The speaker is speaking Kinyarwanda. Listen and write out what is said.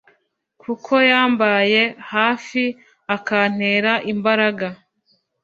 kuko yambaye hafi akantera imbaraga.